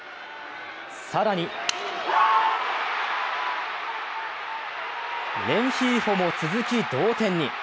更にレンヒーフォも続き同点に。